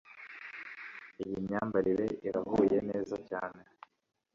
Iyi myambarire irahuye neza cyane